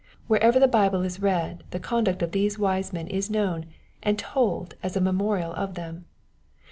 Wherever the Bible is read the conduct of these wise men is known, and told as a memorial of them.